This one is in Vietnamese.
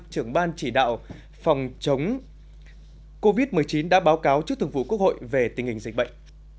trưởng ban chỉ đạo phòng chống covid một mươi chín đã báo cáo trước thường vụ quốc hội về tình hình dịch bệnh